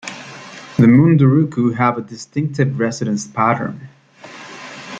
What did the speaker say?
The Mundurucu have a distinctive residence pattern.